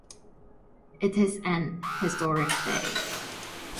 It is an historic day.